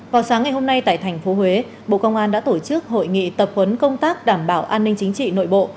vào sáng ngày hôm nay tại thành phố huế bộ công an đã tổ chức hội nghị tập huấn công tác đảm bảo an ninh chính trị nội bộ